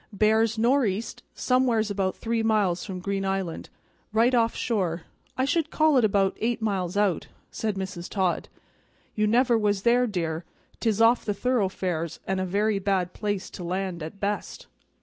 "Bears nor east somewheres about three miles from Green Island; right off shore, I should call it about eight miles out," said Mrs. Todd. "You never was there, dear; 'tis off the thoroughfares, and a very bad place to land at best."